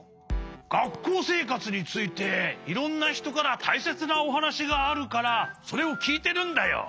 がっこうせいかつについていろんなひとからたいせつなおはなしがあるからそれをきいてるんだよ。